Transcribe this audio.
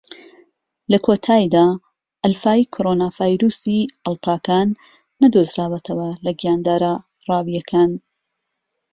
لە کۆتایدا، ئەلفای کۆرۆنا ڤایرۆسی ئەڵپاکان نەدۆزراوەتەوە لە گیاندارە ڕاویەکان.